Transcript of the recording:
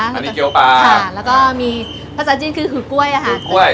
อันนี้เกี๊ยวปลาค่ะแล้วก็มีภาษาจีนคือหืดกล้วยอ่ะฮะหืดกล้วย